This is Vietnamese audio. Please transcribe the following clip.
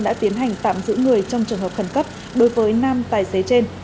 đã tiến hành tạm giữ người trong trường hợp khẩn cấp đối với năm tài xế trên